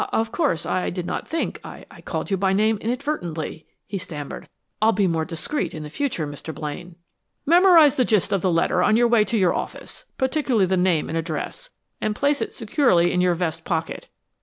"Of course. I did not think I called you by name inadvertently," he stammered. "I'll be more discreet in the future, Mr. Blaine." "Memorize the gist of the letter on your way to your office particularly the name and address and place it securely in your vest pocket.